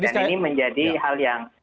dan ini menjadi hal yang